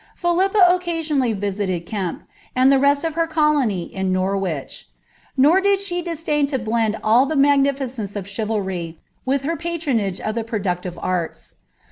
' Philippa occasionally visited Kempe, and the rest of her colour in Norwich. Nor did she disdain lo blend all the magnificence of chinltj with her patronage of the productive arts.